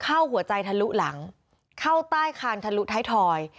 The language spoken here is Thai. เข้าหัวใจทะลุหลังเข้าใต้คานทะลุท้ายทอย